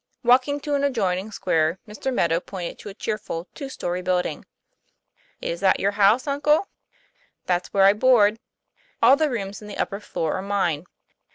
Walking to an adjoining square, Mr. Meadow pointed to a cheerful two story building. '* Is that your house, uncle ?'' That's where I board ; all the rooms in the upper floor are mine."